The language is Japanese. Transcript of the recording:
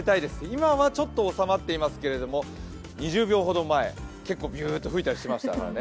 今はちょっと収まってますけれど２０秒ほど前、結構ビューッと吹いたりしてましたね。